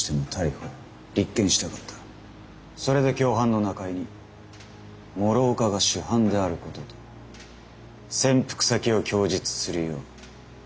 それで共犯の中江に諸岡が主犯であることと潜伏先を供述するよう持ちかけた。